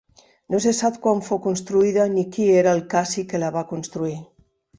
No se sap quan fou construïda ni qui era el Cassi que la va construir.